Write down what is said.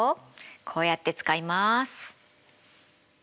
こうやって使います。